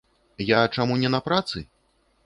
Я чаму не на працы?